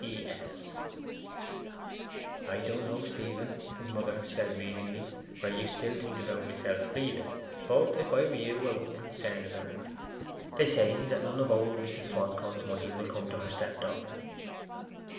E. S.' 'I don't know, Stephen,' his mother said meaningly, 'whe'r you still think about Miss Elfride, but if I were you I wouldn't concern about her. They say that none of old Mrs. Swancourt's money will come to her step daughter.